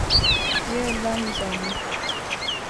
یہ اللہ ہی جانے۔